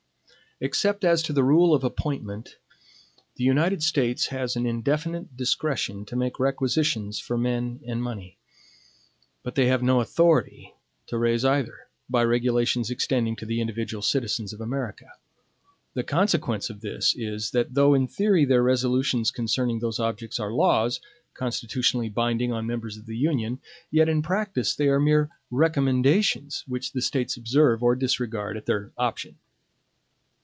Except as to the rule of appointment, the United States has an indefinite discretion to make requisitions for men and money; but they have no authority to raise either, by regulations extending to the individual citizens of America. The consequence of this is, that though in theory their resolutions concerning those objects are laws, constitutionally binding on the members of the Union, yet in practice they are mere recommendations which the States observe or disregard at their option.